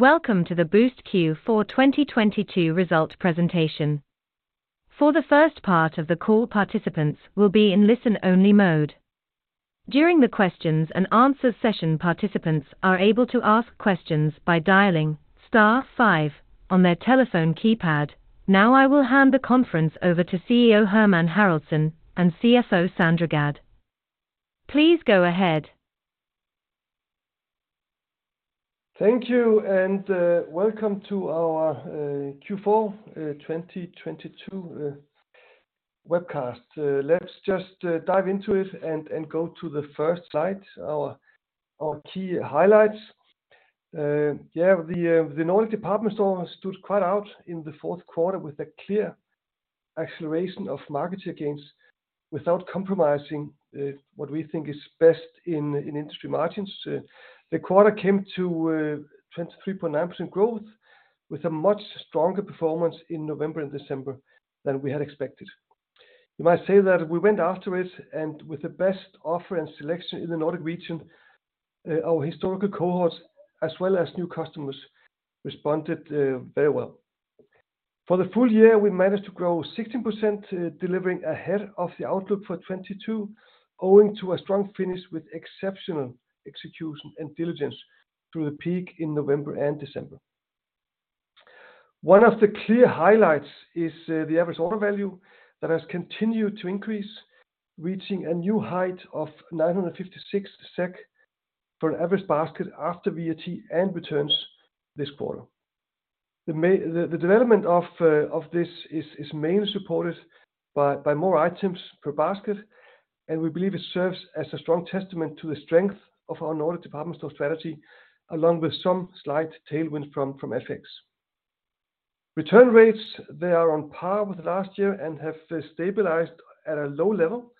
Welcome to the Boozt Q4 2022 result presentation. For the first part of the call, participants will be in listen-only mode. During the questions and answers session, participants are able to ask questions by dialing star five on their telephone keypad. Now, I will hand the conference over to CEO Hermann Haraldsson and CFO Sandra Gadd. Please go ahead. Thank you. Welcome to our Q4 2022 webcast. Let's just dive into it and go to the first slide. Our key highlights. The Nordic Department Store stood quite out in the 4th quarter with a clear acceleration of market share gains without compromising what we think is best in industry margins. The quarter came to 23.9% growth with a much stronger performance in November and December than we had expected. You might say that we went after it, and with the best offer and selection in the Nordic region, our historical cohorts as well as new customers responded very well. For the full year, we managed to grow 16%, delivering ahead of the outlook for 2022, owing to a strong finish with exceptional execution and diligence through the peak in November and December. One of the clear highlights is the average order value that has continued to increase, reaching a new height of 956 SEK for an average basket after VAT and returns this quarter. The development of this is mainly supported by more items per basket, and we believe it serves as a strong testament to the strength of our Nordic Department Store strategy, along with some slight tailwind from FX. Return rates, they are on par with last year and have stabilized at a low level.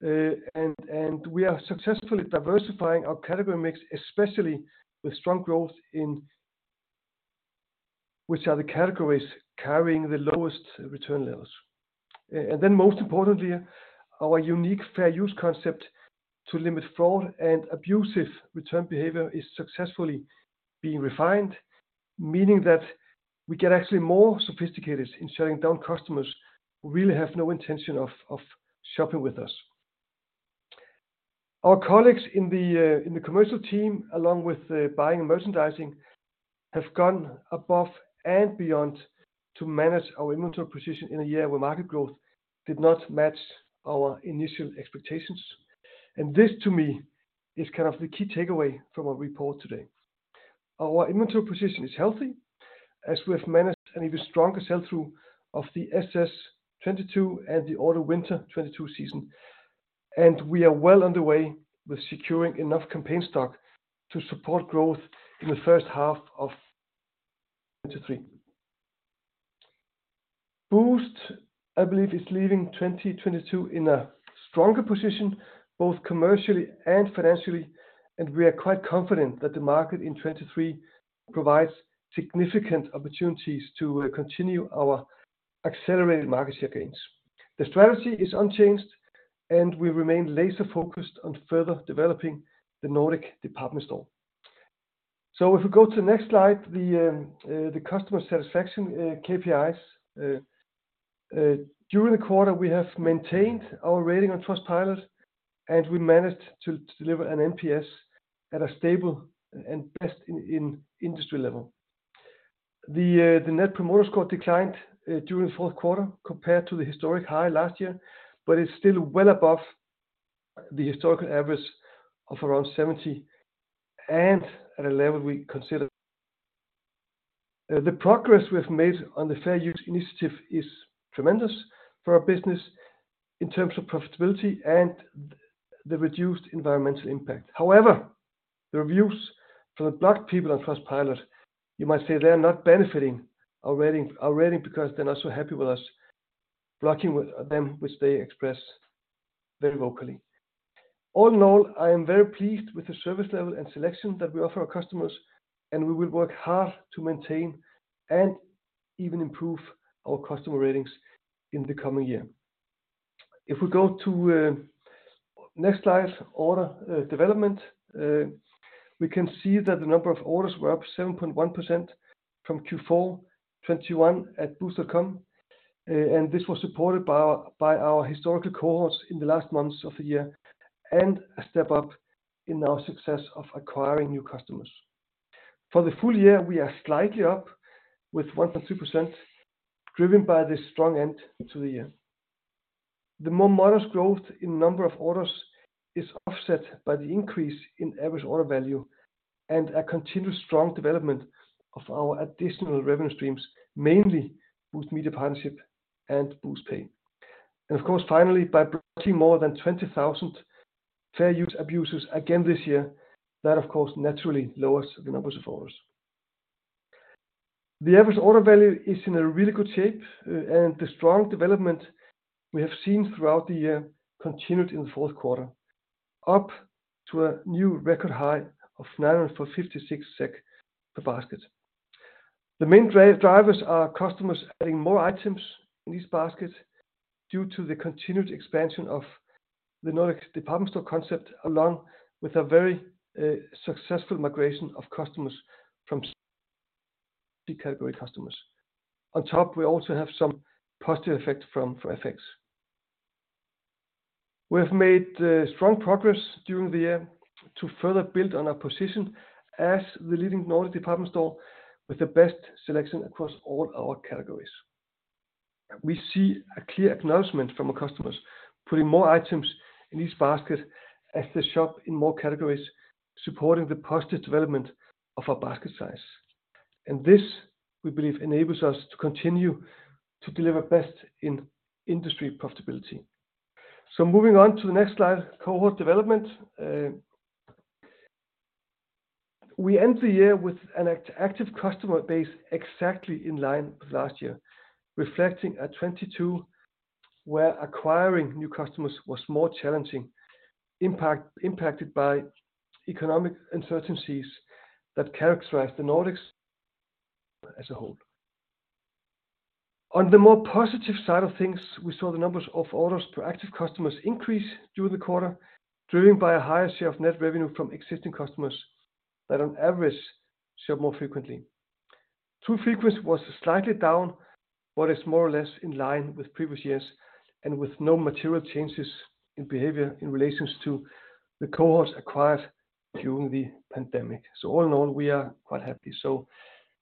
We are successfully diversifying our category mix, especially with strong growth in which other categories carrying the lowest return levels. Most importantly, our unique Fair Use concept to limit fraud and abusive return behavior is successfully being refined, meaning that we get actually more sophisticated in shutting down customers who really have no intention of shopping with us. Our colleagues in the commercial team, along with the buying and merchandising, have gone above and beyond to manage our inventory position in a year where market growth did not match our initial expectations. This, to me, is kind of the key takeaway from our report today. Our inventory position is healthy as we have managed an even stronger sell-through of the SS22 and the AW22 season, we are well underway with securing enough campaign stock to support growth in the first half of 2023. Boozt, I believe, is leaving 2022 in a stronger position, both commercially and financially, we are quite confident that the market in 2023 provides significant opportunities to continue our accelerated market share gains. The strategy is unchanged, we remain laser-focused on further developing the Nordic Department Store. If we go to the next slide, the customer satisfaction KPIs. During the quarter, we have maintained our rating on Trustpilot, we managed to deliver an NPS at a stable and best in industry level. The Net Promoter Score declined during the fourth quarter compared to the historic high last year, but it's still well above the historical average of around 70 and at a level we consider. The progress we have made on the Fair Use initiative is tremendous for our business in terms of profitability and the reduced environmental impact. However, the reviews from the blocked people on Trustpilot, you might say they are not benefiting our rating because they're not so happy with us blocking them, which they express very vocally. All in all, I am very pleased with the service level and selection that we offer our customers, and we will work hard to maintain and even improve our customer ratings in the coming year. If we go to next slide, order development. We can see that the number of orders were up 7.1% from Q4 2021 at Boozt.com. This was supported by our historical cohorts in the last months of the year and a step up in our success of acquiring new customers. For the full year, we are slightly up with 1.2%, driven by the strong end to the year. The more modest growth in number of orders is offset by the increase in average order value and a continued strong development of our additional revenue streams, mainly Boozt Media Partnership and Booztpay. Of course, finally, by blocking more than 20,000 Fair Use abusers again this year, that of course naturally lowers the numbers of orders. The average order value is in a really good shape, and the strong development we have seen throughout the year continued in the fourth quarter, up to a new record high of 956 per basket. The main drivers are customers adding more items in these baskets due to the continued expansion of the Nordic Department Store concept, along with a very successful migration of customers from category customers. On top, we also have some positive effect from FX. We have made strong progress during the year to further build on our position as the leading Nordic Department Store with the best selection across all our categories. We see a clear acknowledgement from our customers putting more items in each basket as they shop in more categories, supporting the positive development of our basket size. This, we believe, enables us to continue to deliver best in industry profitability. Moving on to the next slide, cohort development. We end the year with an active customer base exactly in line with last year, reflecting at 2022, where acquiring new customers was more challenging, impacted by economic uncertainties that characterize the Nordics as a whole. On the more positive side of things, we saw the numbers of orders to active customers increase during the quarter, driven by a higher share of net revenue from existing customers that on average shop more frequently. True frequency was slightly down, but is more or less in line with previous years and with no material changes in behavior in relations to the cohorts acquired during the pandemic. All in all, we are quite happy.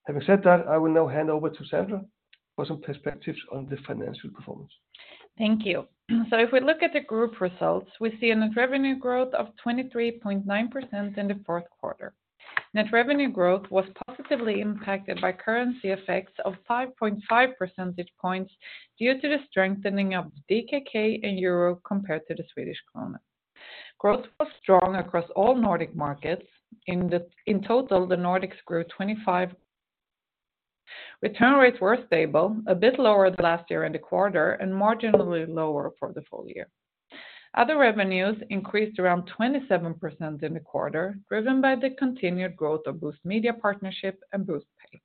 Having said that, I will now hand over to Sandra for some perspectives on the financial performance. Thank you. If we look at the group results, we see a net revenue growth of 23.9% in the fourth quarter. Net revenue growth was positively impacted by currency effects of 5.5 percentage points due to the strengthening of DKK and EUR compared to the SEK. Growth was strong across all Nordic markets. In total, the Nordics grew 25%. Return rates were stable, a bit lower than last year in the quarter and marginally lower for the full year. Other revenues increased around 27% in the quarter, driven by the continued growth of Boozt Media Partnership and Booztpay.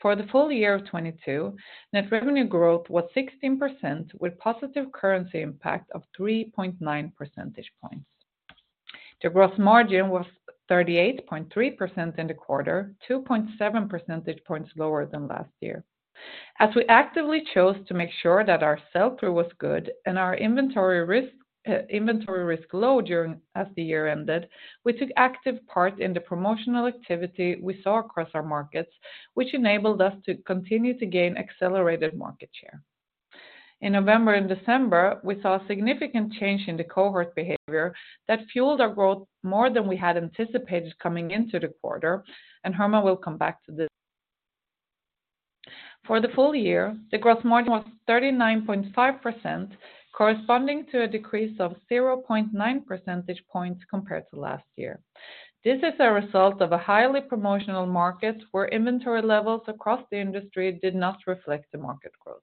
For the full year of 2022, net revenue growth was 16% with positive currency impact of 3.9 percentage points. The growth margin was 38.3% in the quarter, 2.7 percentage points lower than last year. As we actively chose to make sure that our sell-through was good and our inventory risk low during as the year ended, we took active part in the promotional activity we saw across our markets, which enabled us to continue to gain accelerated market share. In November and December, we saw a significant change in the cohort behavior that fueled our growth more than we had anticipated coming into the quarter. Herman will come back to this. For the full year, the growth margin was 39.5%, corresponding to a decrease of 0.9 percentage points compared to last year. This is a result of a highly promotional market where inventory levels across the industry did not reflect the market growth.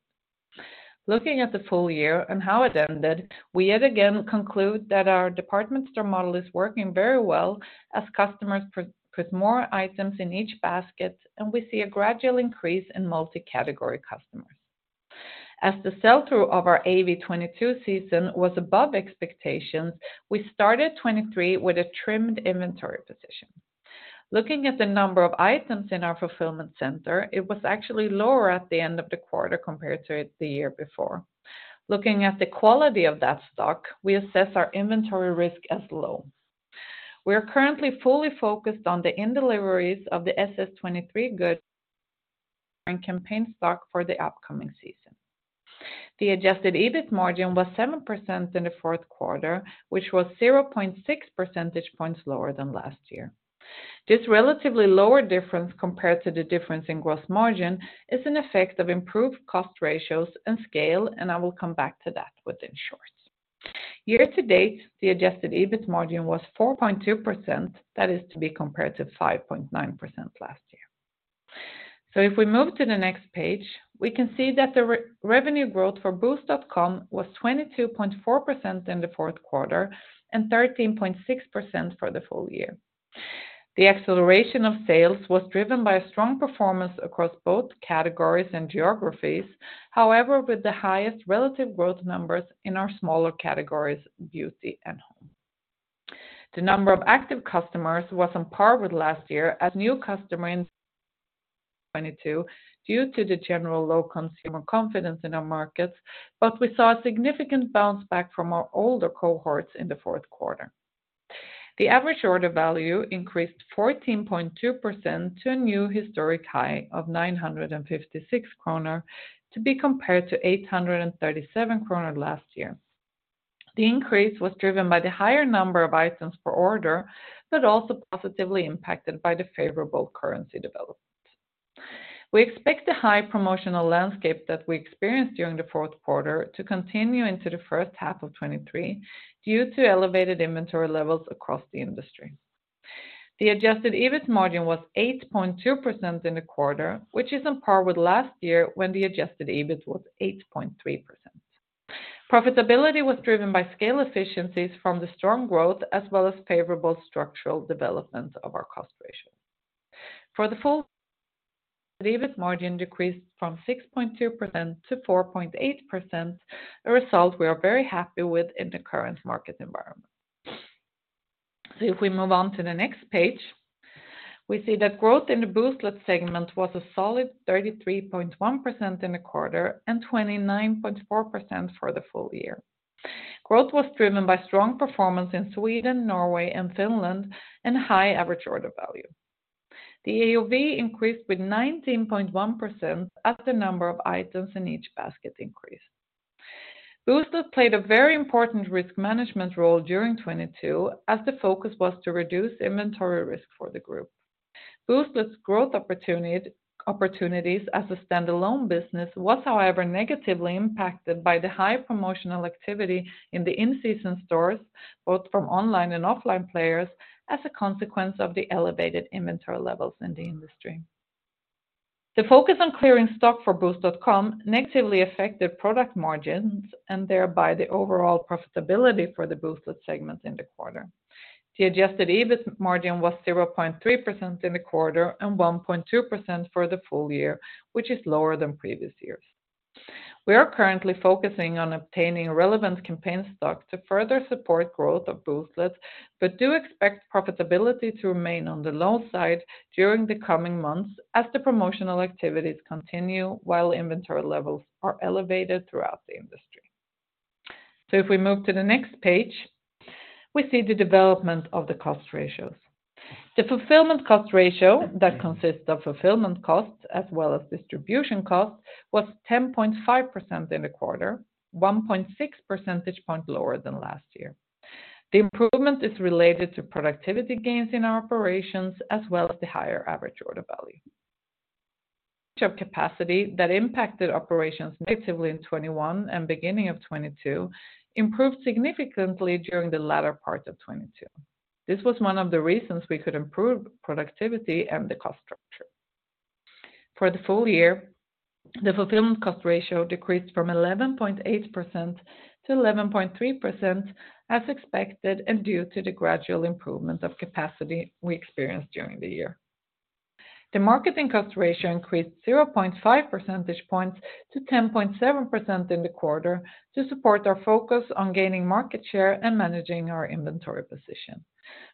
Looking at the full year and how it ended, we yet again conclude that our department store model is working very well as customers put more items in each basket, and we see a gradual increase in multi-category customers. As the sell-through of our AW22 season was above expectations, we started 23 with a trimmed inventory position. Looking at the number of items in our fulfillment center, it was actually lower at the end of the quarter compared to the year before. Looking at the quality of that stock, we assess our inventory risk as low. We are currently fully focused on the in deliveries of the SS23 goods and campaign stock for the upcoming season. The adjusted EBIT margin was 7% in the fourth quarter, which was 0.6 percentage points lower than last year. This relatively lower difference compared to the difference in gross margin is an effect of improved cost ratios and scale, I will come back to that within shorts. Year to date, the adjusted EBIT margin was 4.2%. That is to be compared to 5.9% last year. If we move to the next page, we can see that the revenue growth for Boozt.com was 22.4% in the fourth quarter and 13.6% for the full year. The acceleration of sales was driven by a strong performance across both categories and geographies, however, with the highest relative growth numbers in our smaller categories, beauty and home. The number of active customers was on par with last year as new customer in 2022 due to the general low consumer confidence in our markets, but we saw a significant bounce back from our older cohorts in the fourth quarter. The average order value increased 14.2% to a new historic high of 956 kronor, to be compared to 837 kronor last year. The increase was driven by the higher number of items per order, but also positively impacted by the favorable currency development. We expect the high promotional landscape that we experienced during the fourth quarter to continue into the first half of 2023 due to elevated inventory levels across the industry. The adjusted EBIT margin was 8.2% in the quarter, which is on par with last year when the adjusted EBIT was 8.3%. Profitability was driven by scale efficiencies from the strong growth as well as favorable structural development of our cost ratio. The fulfillment cost ratio that consists of fulfillment costs as well as distribution costs was 10.5% in the quarter, 1.6 percentage point lower than last year. The improvement is related to productivity gains in our operations as well as the higher average order value. Capacity that impacted operations negatively in 2021 and beginning of 2022 improved significantly during the latter part of 2022. This was one of the reasons we could improve productivity and the cost structure. For the full year, the fulfillment cost ratio decreased from 11.8%-11.3% as expected and due to the gradual improvement of capacity we experienced during the year. The marketing cost ratio increased 0.5 percentage points to 10.7% in the quarter to support our focus on gaining market share and managing our inventory position.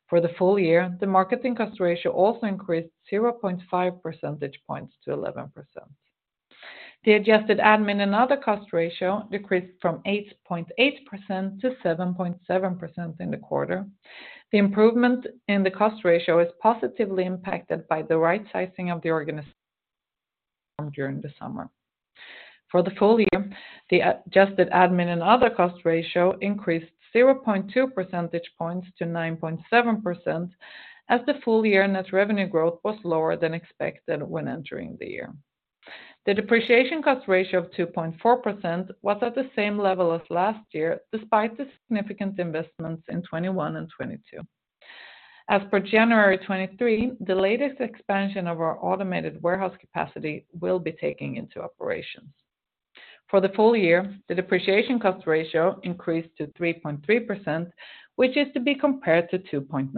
For the full year, the marketing cost ratio also increased 0.5 percentage points to 11%. The adjusted admin and other cost ratio decreased from 8.8% to 7.7% in the quarter. The improvement in the cost ratio is positively impacted by the right-sizing of the organization during the summer. For the full year, the adjusted admin and other cost ratio increased 0.2 percentage points to 9.7% as the full year net revenue growth was lower than expected when entering the year. The depreciation cost ratio of 2.4% was at the same level as last year, despite the significant investments in 2021 and 2022. As per January 2023, the latest expansion of our automated warehouse capacity will be taking into operations. For the full year, the depreciation cost ratio increased to 3.3%, which is to be compared to 2.9%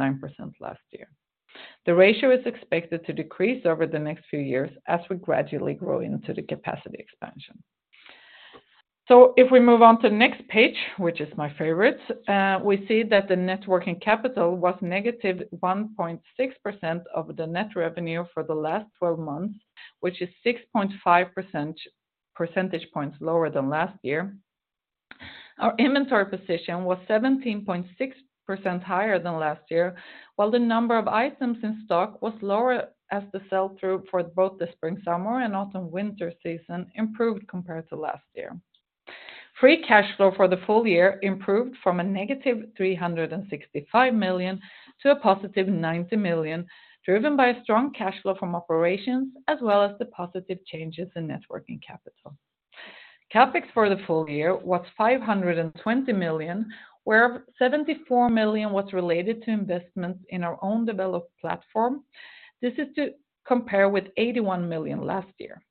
last year. The ratio is expected to decrease over the next few years as we gradually grow into the capacity expansion. If we move on to the next page, which is my favorite, we see that the net working capital was negative 1.6% of the net revenue for the last 12 months, which is 6.5 percentage points lower than last year. Our inventory position was 17.6% higher than last year, while the number of items in stock was lower as the sell-through for both the spring/summer and autumn/winter season improved compared to last year. Free cash flow for the full year improved from a negative 365 million to a positive 90 million, driven by a strong cash flow from operations as well as the positive changes in net working capital. CapEx for the full year was 520 million, where 74 million was related to investments in our own developed platform. This is to compare with 81 million last year.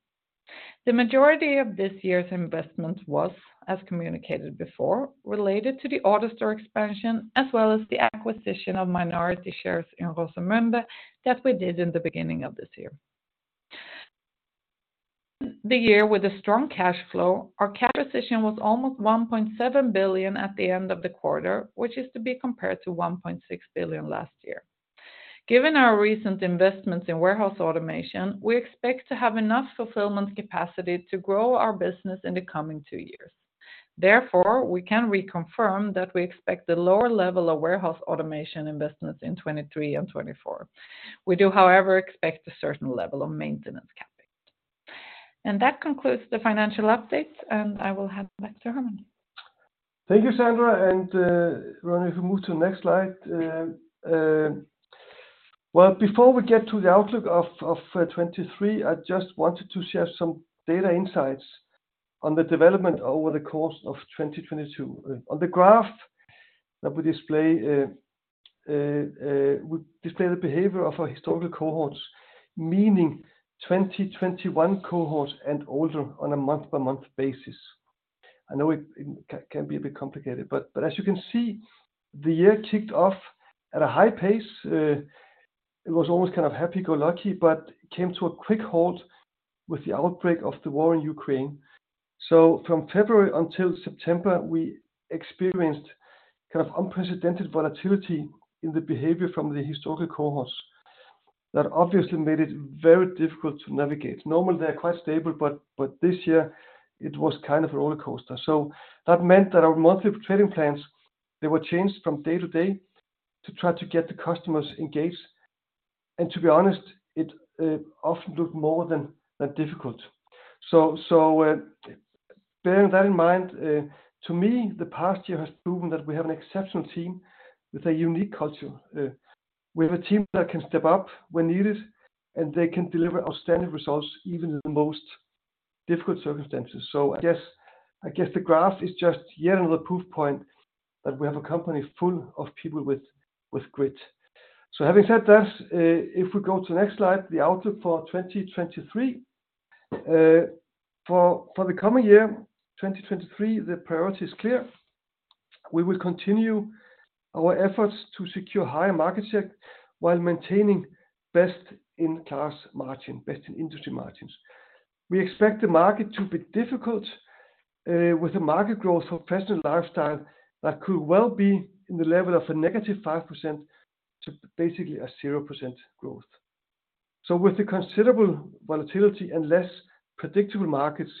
The majority of this year's investment was, as communicated before, related to the AutoStore expansion as well as the acquisition of minority shares in Rosemunde that we did in the beginning of this year. The year with a strong cash flow, our cash position was almost 1.7 billion at the end of the quarter, which is to be compared to 1.6 billion last year. Given our recent investments in warehouse automation, we expect to have enough fulfillment capacity to grow our business in the coming two years. Therefore, we can reconfirm that we expect a lower level of warehouse automation investments in 2023 and 2024. We do, however, expect a certain level of maintenance CapEx. That concludes the financial update, and I will hand back to Hermann Haraldsson. Thank you, Sandra. Ronnie, if you move to the next slide. Well, before we get to the outlook of 23, I just wanted to share some data insights on the development over the course of 2022. On the graph that we display, we display the behavior of our historical cohorts, meaning 20/21 cohorts and older on a month-by-month basis. I know it can be a bit complicated, but as you can see, the year kicked off at a high pace. It was almost kind of happy-go-lucky, but came to a quick halt with the outbreak of the war in Ukraine. From February until September, we experienced kind of unprecedented volatility in the behavior from the historical cohorts that obviously made it very difficult to navigate. Normally, they're quite stable, but this year it was kind of a rollercoaster. That meant that our monthly trading plans, they were changed from day to day to try to get the customers engaged. To be honest, it often looked more than difficult. Bearing that in mind, to me, the past year has proven that we have an exceptional team with a unique culture. We have a team that can step up when needed, and they can deliver outstanding results even in the most difficult circumstances. I guess the graph is just yet another proof point that we have a company full of people with grit. Having said that, if we go to the next slide, the outlook for 2023. For the coming year, 2023, the priority is clear. We will continue our efforts to secure higher market share while maintaining best-in-class margin, best-in-industry margins. We expect the market to be difficult, with a market growth for professional lifestyle that could well be in the level of a -5% to basically a 0% growth. With the considerable volatility and less predictable markets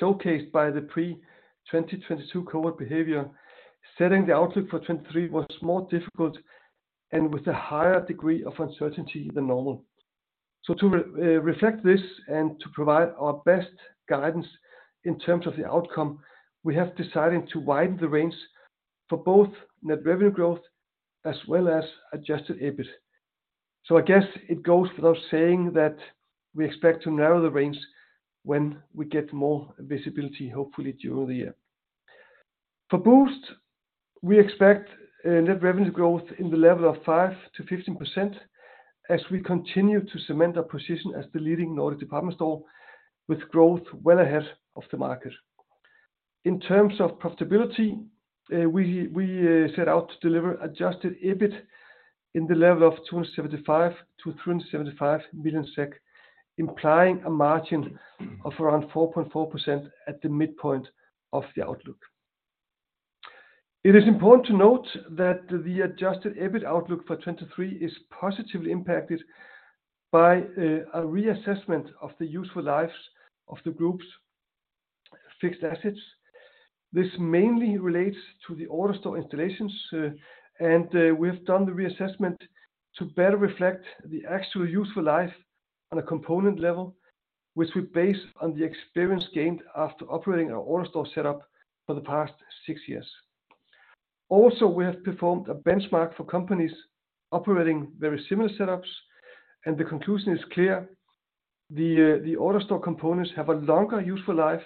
showcased by the pre-2022 cohort behavior, setting the outlook for 2023 was more difficult and with a higher degree of uncertainty than normal. To re-reflect this and to provide our best guidance in terms of the outcome, we have decided to widen the range for both net revenue growth as well as adjusted EBIT. I guess it goes without saying that we expect to narrow the range when we get more visibility, hopefully during the year. For Boozt, we expect net revenue growth in the level of 5%-15% as we continue to cement our position as the leading Nordic Department Store with growth well ahead of the market. In terms of profitability, we set out to deliver adjusted EBIT in the level of 275 million-375 million SEK, implying a margin of around 4.4% at the midpoint of the outlook. It is important to note that the adjusted EBIT outlook for 2023 is positively impacted by a reassessment of the useful lives of the group's fixed assets. This mainly relates to the AutoStore installations, and we have done the reassessment to better reflect the actual useful life on a component level, which we base on the experience gained after operating our AutoStore setup for the past six years. Also, we have performed a benchmark for companies operating very similar setups, and the conclusion is clear: the AutoStore components have a longer useful life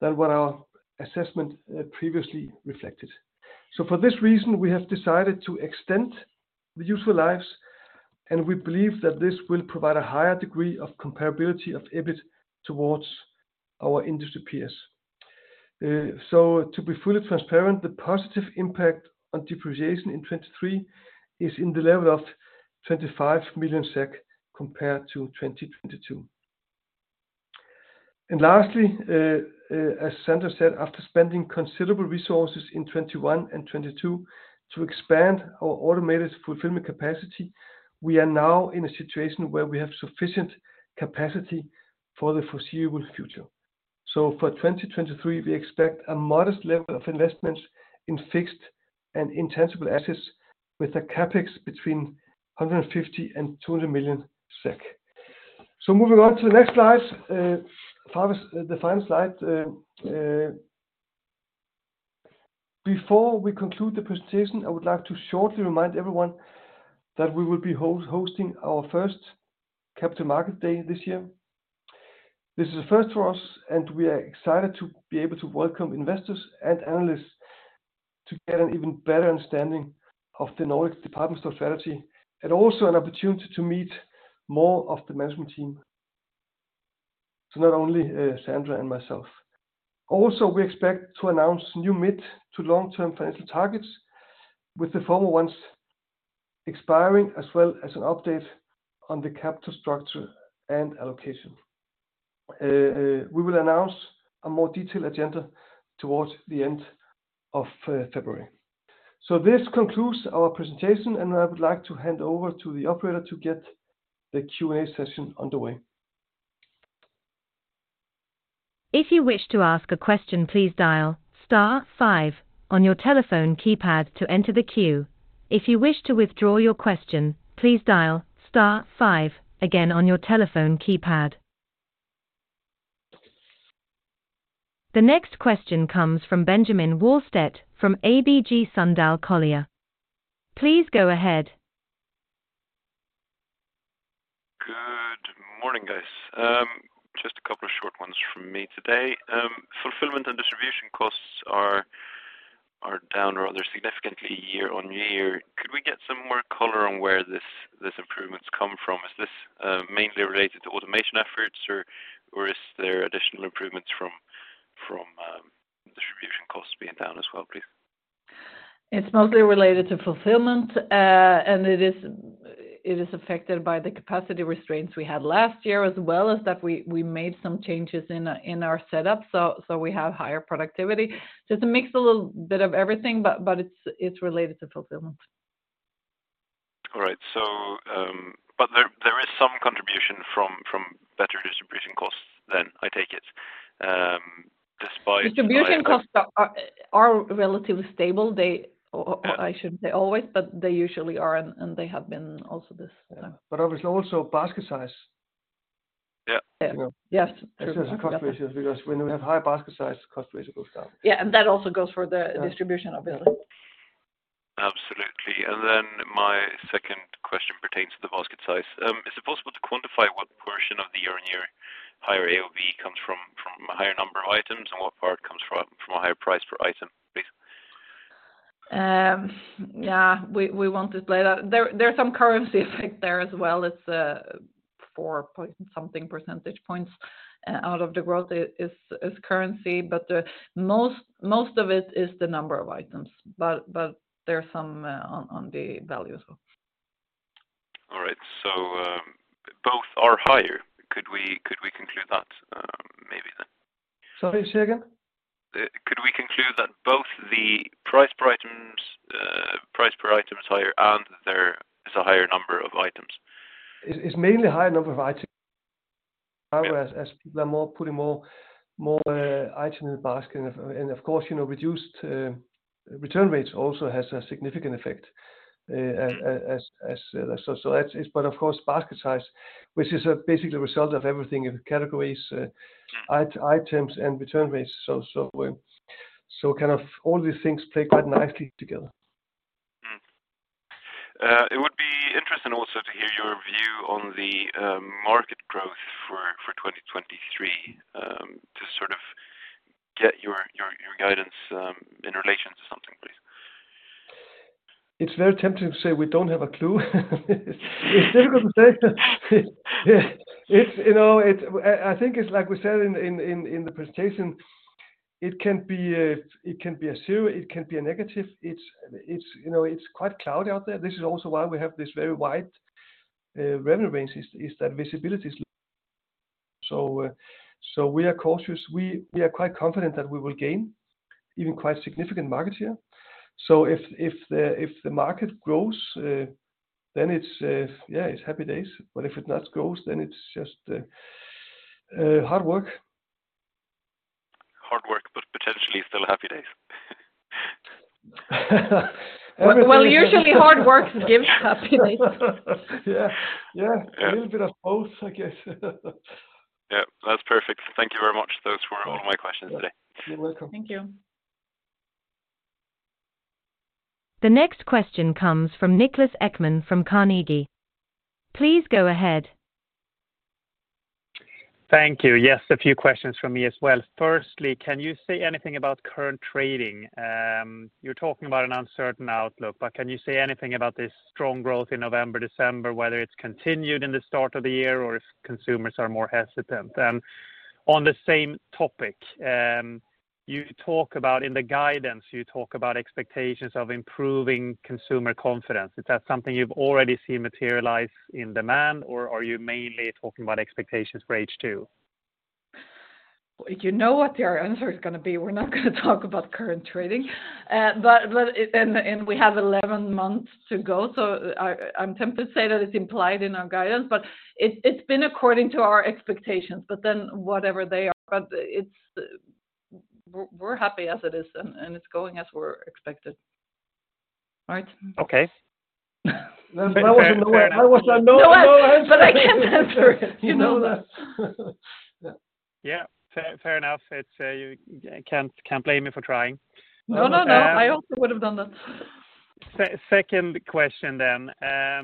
than what our assessment previously reflected. For this reason, we have decided to extend the useful lives, and we believe that this will provide a higher degree of comparability of EBIT towards our industry peers. To be fully transparent, the positive impact on depreciation in 2023 is in the level of 25 million SEK compared to 2022. Lastly, as Sandra said, after spending considerable resources in 2021 and 2022 to expand our automated fulfillment capacity, we are now in a situation where we have sufficient capacity for the foreseeable future. For 2023, we expect a modest level of investments in fixed and intangible assets with a CapEx between 150 million and 200 million SEK. Moving on to the next slide, the final slide. Before we conclude the presentation, I would like to shortly remind everyone that we will be hosting our first Capital Markets Day this year. This is a first for us. We are excited to be able to welcome investors and analysts to get an even better understanding of the Nordic Department Store strategy and also an opportunity to meet more of the management team, so not only Sandra and myself. We expect to announce new mid to long-term financial targets with the former ones expiring, as well as an update on the capital structure and allocation. We will announce a more detailed agenda towards the end of February. This concludes our presentation, and I would like to hand over to the operator to get the QA session underway. If you wish to ask a question, please dial star five on your telephone keypad to enter the queue. If you wish to withdraw your question, please dial star five again on your telephone keypad. The next question comes from Benjamin Wahlstedt from ABG Sundal Collier. Please go ahead. Just a couple of short ones from me today. Fulfillment and distribution costs are down rather significantly year-on-year. Could we get some more color on where these improvements come from? Is this mainly related to automation efforts or is there additional improvements from distribution costs being down as well, please? It's mostly related to fulfillment. It is affected by the capacity restraints we had last year, as well as that we made some changes in our setup, so we have higher productivity. Just a mix, a little bit of everything, but it's related to fulfillment. All right. There is some contribution from better distribution costs then, I take it. Distribution costs are relatively stable. Yeah I shouldn't say always, but they usually are, and they have been also this time. Obviously also basket size. Yeah. Yeah. Yes. It says the cost ratios, because when we have high basket size, cost ratio goes down. Yeah. that also goes for the-distribution obviously. Absolutely. My second question pertains to the basket size. Is it possible to quantify what portion of the year-over-year higher AOV comes from a higher number of items, and what part comes from a higher price per item, please? Yeah, we won't display that. There are some currency effect there as well as 4 point something percentage points out of the growth is currency. Most of it is the number of items but there are some on the value as well. All right. Both are higher. Could we conclude that, maybe? Sorry, say again. Could we conclude that both the price per item is higher and there is a higher number of items? It's mainly higher number of items as people are more putting more item in the basket. Of course, you know, reduced return rates also has a significant effect. That is. Of course, basket size, which is a basically a result of everything in categories, items and return rates. Kind of all these things play quite nicely together. It would be interesting also to hear your view on the market growth for 2023 to sort of get your guidance in relation to something, please. It's very tempting to say we don't have a clue. It's difficult to say. It's, you know, I think it's like we said in the presentation, it can be a, it can be a zero, it can be a negative. It's, you know, it's quite cloudy out there. This is also why we have this very wide revenue range, is that visibility is limited. We are cautious. We are quite confident that we will gain even quite significant market share. If the market grows, then it's, yeah, it's happy days. If it not grows, then it's just hard work. Hard work, but potentially still happy days. Well, usually hard work gives happy days. Yeah. Yeah. Yeah. A little bit of both, I guess. Yeah. That's perfect. Thank you very much. Those were all my questions today. You're welcome. Thank you. The next question comes from Niklas Ekman from Carnegie. Please go ahead. Thank you. Yes, a few questions from me as well. Firstly, can you say anything about current trading? You're talking about an uncertain outlook, can you say anything about this strong growth in November, December, whether it's continued in the start of the year or if consumers are more hesitant? On the same topic, in the guidance, you talk about expectations of improving consumer confidence. Is that something you've already seen materialize in demand, or are you mainly talking about expectations for H2? You know what your answer is going to be. We're not going to talk about current trading. We have 11 months to go, so I'm tempted to say that it's implied in our guidance, but it's been according to our expectations. Whatever they are. We're happy as it is, and it's going as we're expected. Right? Okay. That was a no answer. I can't answer it, you know that. Yeah. Fair enough. It's, you can't blame me for trying. No, no. I also would have done that. Second question. I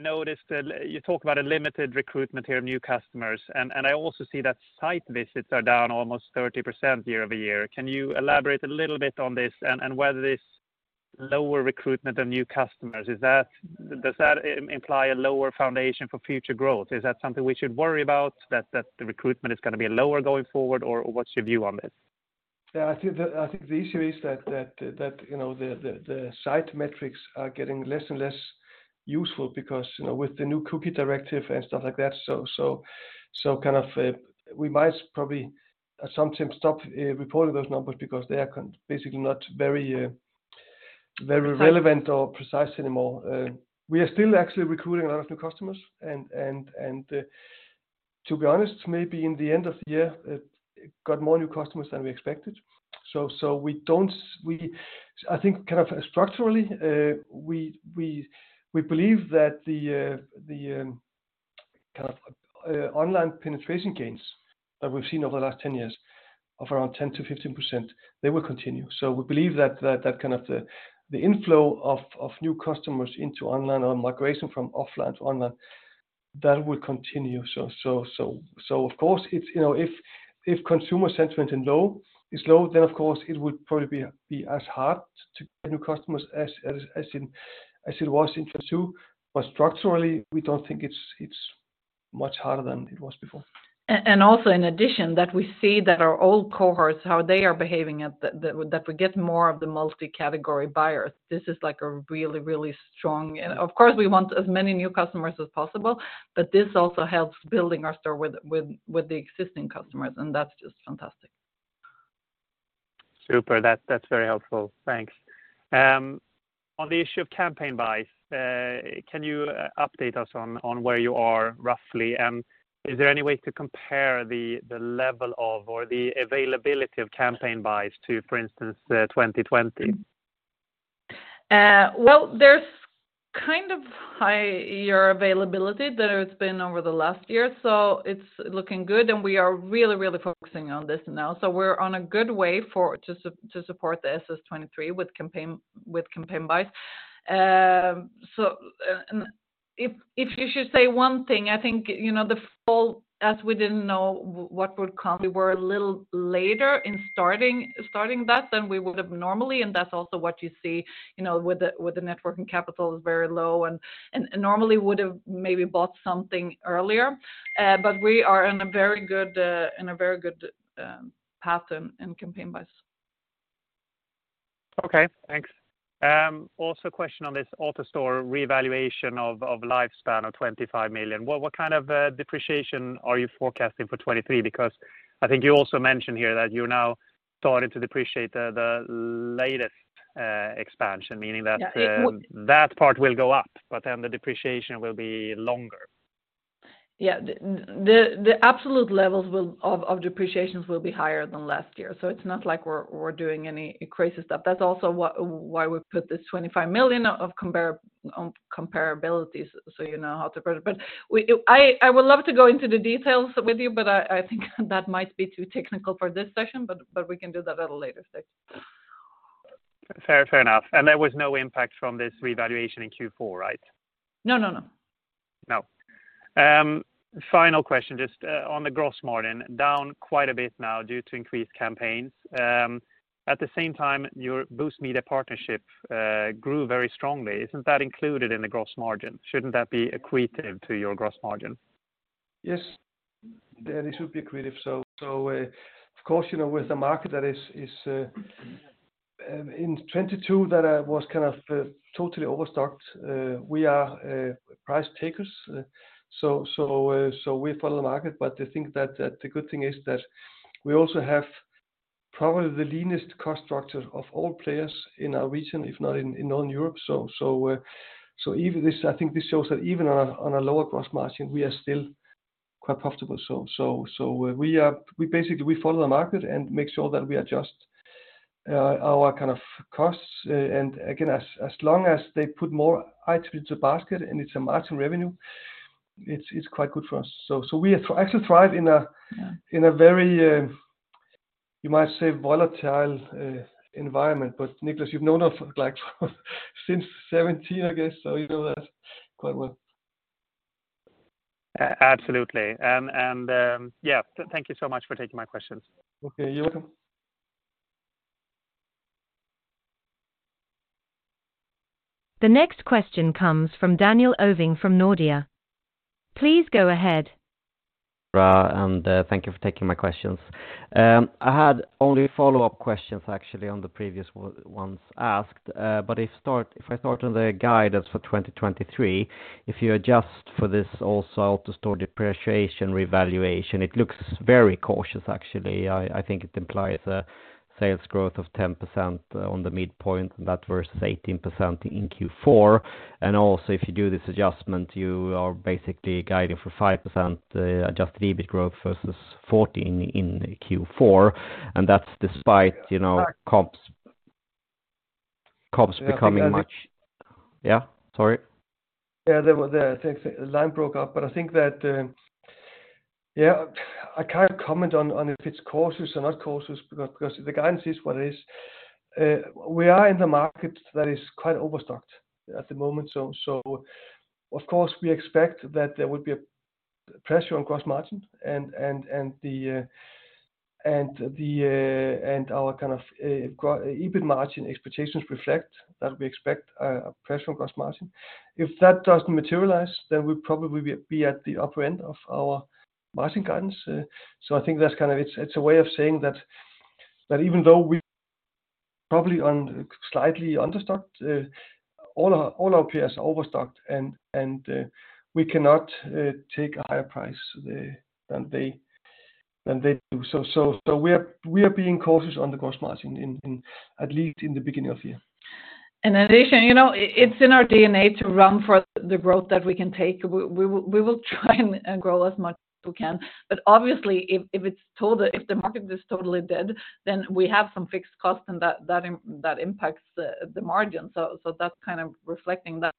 noticed that you talk about a limited recruitment here of new customers, and I also see that site visits are down almost 30% year-over-year. Can you elaborate a little bit on this and whether this lower recruitment of new customers, does that imply a lower foundation for future growth? Is that something we should worry about, that the recruitment is going to be lower going forward, or what's your view on this? Yeah. I think the, I think the issue is that, that, you know, the, the site metrics are getting less and less useful because, you know, with the new ePrivacy Directive and stuff like that, so kind of we might probably at some time stop reporting those numbers because they are basically not very relevant or precise anymore. We are still actually recruiting a lot of new customers. and to be honest, maybe in the end of the year got more new customers than we expected. I think kind of structurally we believe that the the kind of online penetration gains that we've seen over the last 10 years of around 10%-15%, they will continue. We believe that kind of the inflow of new customers into online or migration from offline to online, that will continue. Of course, it's, you know, if consumer sentiment is low, then of course it would probably be as hard to get new customers as it was in Q2. Structurally, we don't think it's much harder than it was before. Also in addition that we see that our old cohorts, how they are behaving that we get more of the multi-category buyers. This is like a really, really strong. Of course, we want as many new customers as possible, but this also helps building our store with the existing customers, and that's just fantastic. Super. That's very helpful. Thanks. On the issue of campaign buys, can you update us on where you are roughly? Is there any way to compare the level of or the availability of campaign buys to, for instance, 2020? Well, there's kind of higher availability than it's been over the last year, so it's looking good, and we are really, really focusing on this now. We're on a good way to support the SS23 with campaign, with campaign buys. If, if you should say one thing, I think, you know, the fall, as we didn't know what would come, we were a little later in starting that than we would have normally, and that's also what you see, you know, with the net working capital is very low and normally would have maybe bought something earlier. We are in a very good path in campaign buys. Okay, thanks. Question on this AutoStore revaluation of lifespan of 25 million. What kind of depreciation are you forecasting for 2023? I think you also mentioned here that you're now starting to depreciate the latest expansion, meaning that part will go up, but then the depreciation will be longer. Yeah. The absolute levels of depreciations will be higher than last year. It's not like we're doing any crazy stuff. That's also why we put this 25 million SEK on comparabilities, so you know how to put it. I would love to go into the details with you, but I think that might be too technical for this session, but we can do that at a later stage. Fair enough. There was no impact from this revaluation in Q4, right? No, no. Final question, just on the gross margin, down quite a bit now due to increased campaigns. At the same time, your Boozt Media Partnership grew very strongly. Isn't that included in the gross margin? Shouldn't that be accretive to your gross margin? Yes. Yeah, this should be accretive. Of course, you know, with the market that is in 2022 that was kind of totally overstocked, we are price takers, so we follow the market. I think that the good thing is that we also have probably the leanest cost structure of all players in our region, if not in all Europe. We basically follow the market and make sure that we adjust our kind of costs. And again, as long as they put more items into basket and it's a margin revenue, it's quite good for us. We actually thrive in a very, you might say, volatile, environment. Niklas, you've known us, like, since 17, I guess, so you know that quite well. Absolutely. Yeah, thank you so much for taking my questions. Okay. You're welcome. The next question comes from Daniel Ovin from Nordea. Please go ahead. Thank you for taking my questions. I had only follow-up questions actually on the previous ones asked. If I start on the guidance for 2023, if you adjust for this AutoStore depreciation revaluation, it looks very cautious actually. I think it implies a sales growth of 10% on the midpoint, that versus 18% in Q4. Also, if you do this adjustment, you are basically guiding for 5% adjusted EBIT growth versus 14% in Q4. That's despite, you know, comps becoming much. Yeah, I think I did. Yeah. Sorry. Yeah. There was, I think the line broke up, but I think that, yeah, I can't comment on if it's cautious or not cautious because the guidance is what it is. Of course, we expect that there will be a pressure on gross margin and the, and our kind of EBIT margin expectations reflect that we expect a pressure on gross margin. If that doesn't materialize, we'll probably be at the upper end of our margin guidance. I think that's it's a way of saying that even though we probably on slightly understocked, all our peers are overstocked and we cannot take a higher price there than they do. We are being cautious on the gross margin in at least in the beginning of year. In addition, you know, it's in our DNA to run for the growth that we can take. We will try and grow as much as we can. Obviously, if the market is totally dead, then we have some fixed cost and that impacts the margin. That's kind of reflecting that.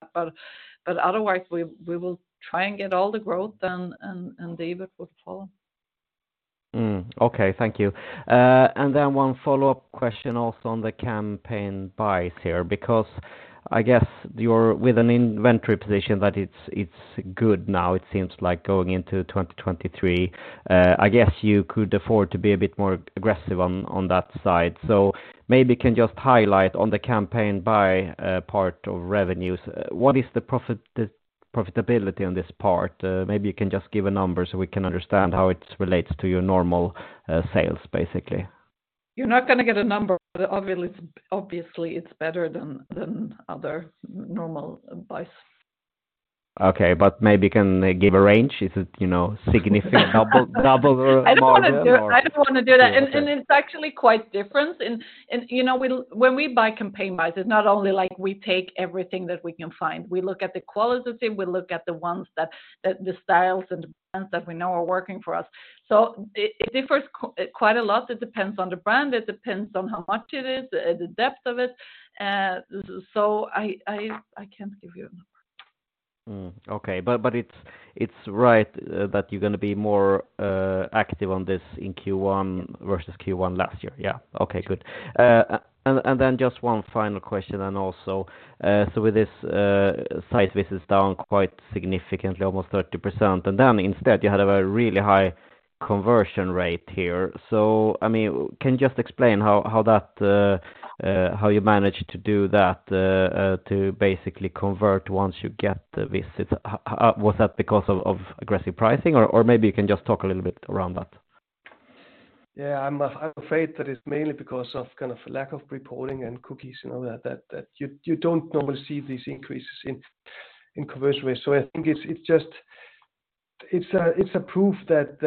Otherwise, we will try and get all the growth and EBIT will fall. Okay. Thank you. One follow-up question also on the campaign buys here, because I guess you're with an inventory position that it's good now, it seems like going into 2023. I guess you could afford to be a bit more aggressive on that side. Maybe can you just highlight on the campaign buy, part of revenues, what is the profitability on this part? Maybe you can just give a number so we can understand how it relates to your normal sales, basically? You're not gonna get a number, but obviously it's better than other normal buys. Okay. Maybe can give a range. Is it, you know, significant double or more? I don't wanna do that. Okay. It's actually quite different. You know, when we buy campaign buys, it's not only like we take everything that we can find. We look at the quality, we look at the ones that the styles and the brands that we know are working for us. It differs quite a lot. It depends on the brand. It depends on how much it is, the depth of it. I can't give you a number. Okay. It's, it's right, that you're gonna be more, active on this in Q1 versus Q1 last year? Yeah. Okay. Good. Then just one final question then also. With this, site visits down quite significantly, almost 30%, and then instead you had a very really high conversion rate here. I mean, can you just explain how that, how you managed to do that, to basically convert once you get the visit? Was that because of aggressive pricing? Or maybe you can just talk a little bit around that. Yeah, I'm afraid that it's mainly because of kind of lack of reporting and cookies and all that you don't normally see these increases in conversion rates. I think it's just a proof that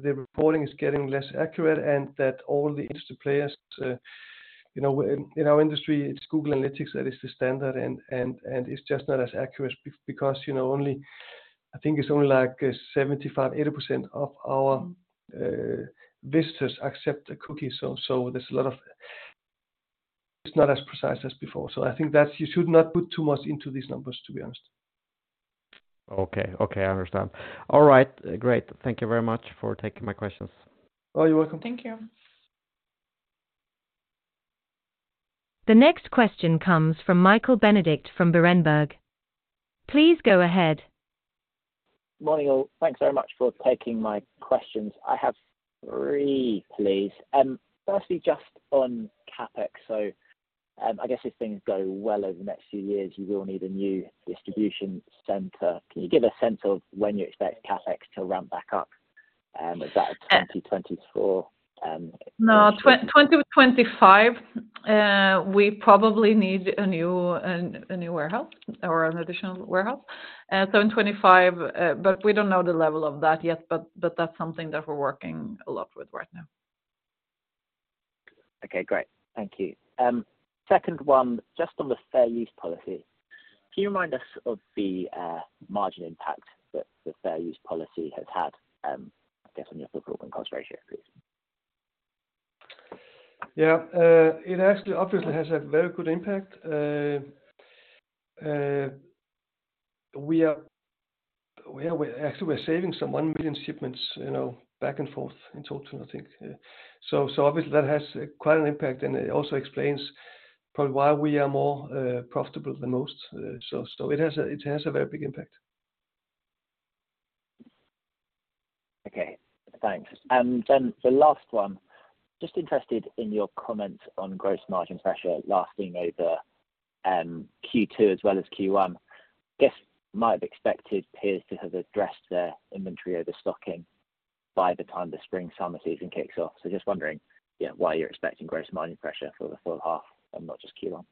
the reporting is getting less accurate and that all the industry players, you know, in our industry, it's Google Analytics that is the standard and it's just not as accurate because, you know, only, I think it's only like 75%, 80% of our visitors accept the cookies. It's not as precise as before. I think that you should not put too much into these numbers, to be honest. Okay. Okay. I understand. All right. Great. Thank you very much for taking my questions. Oh, you're welcome. Thank you. The next question comes from Michael Benedict from Berenberg. Please go ahead. Morning all. Thanks very much for taking my questions. I have three, please. Firstly, just on CapEx. I guess if things go well over the next few years, you will need a new distribution center. Can you give a sense of when you expect CapEx to ramp back up? Is that in 2024? No. 2025, we probably need a new warehouse or an additional warehouse. In 2025, but we don't know the level of that yet, but that's something that we're working a lot with right now. Okay. Great. Thank you. Second one, just on the Fair Use policy. Can you remind us of the margin impact that the Fair Use policy has had, I guess on your full gross margin ratio, please? Yeah. It actually obviously has had very good impact. We actually we're saving some 1 million shipments, you know, back and forth in total, I think. Obviously that has quite an impact, and it also explains probably why we are more profitable than most. It has a, it has a very big impact. Okay. Thanks. The last one, just interested in your comment on gross margin pressure lasting over Q2 as well as Q1. Guess might have expected peers to have addressed their inventory overstocking by the time the spring, summer season kicks off. Just wondering, yeah, why you're expecting gross margin pressure for the full half and not just Q1?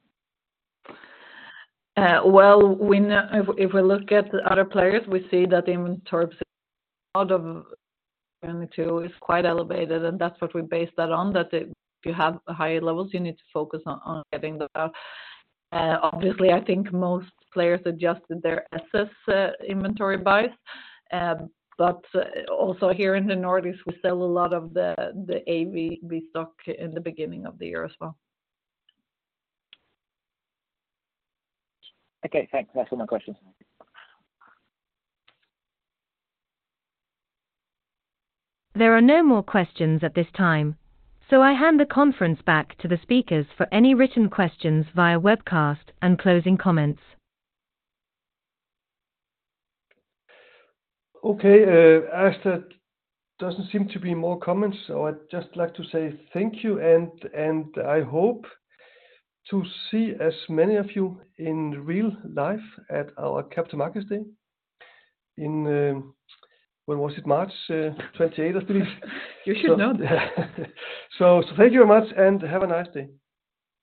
Well, if we look at the other players, we see that is quite elevated and thats what we based that on. That if you have a higher level, you need to focus on having the. Obviously I think most player suggest that their [excess inventory bytes] and thats also here in the Nordic we still have a lot of the [AV] we talk in the beginning of [years full]. Okay, thanks for answering my questions. There are no more question at this time, so I hand the conference back to the speaker for any recent questions via webcast and closing comments. Okay, doesn't seems to be more comments. I just like to say thank you and I hope to see as many of you in real life, at our [Market Day] in when was March 28 at least. You should know that. Thank you very much and have a nice day.